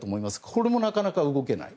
これもなかなか動けない。